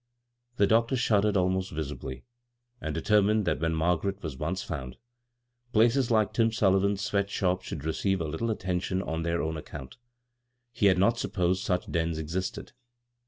The doctor shuddered abnost vi«biy, and determined that when Margaret was once found, places like Tim Sullivan's sweat shop should receive a little attention on their own account—he had not supposed such dens existed.